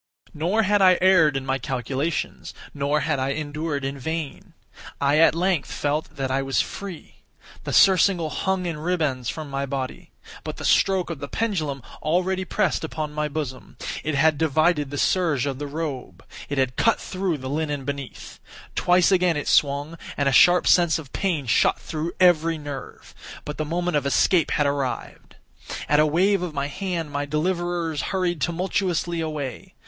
Nor had I erred in my calculations—nor had I endured in vain. I at length felt that I was free. The surcingle hung in ribands from my body. But the stroke of the pendulum already pressed upon my bosom. It had divided the serge of the robe. It had cut through the linen beneath. Twice again it swung, and a sharp sense of pain shot through every nerve. But the moment of escape had arrived. At a wave of my hand my deliverers hurried tumultuously away.